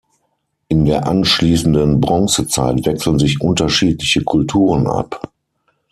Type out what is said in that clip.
In der anschließenden Bronzezeit wechseln sich unterschiedliche Kulturen ab.